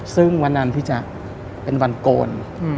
ซึ่งวันนั้นพี่แจ๊คเป็นวันโกน